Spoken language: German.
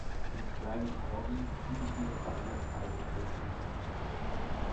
In kleinen Orgeln blieb es jedoch bei einer Pfeife pro Fußlage.